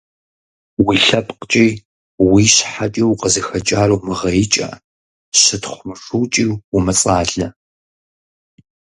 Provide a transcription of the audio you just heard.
Уи лъэпкъкӀи уи щхьэкӀи укъызыхэкӀар умыгъэикӀэ, щытхъу мышукӀи умыцӀалэ.